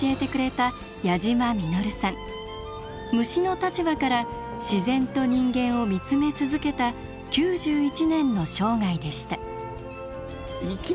虫の立場から自然と人間を見つめ続けた９１年の生涯でした。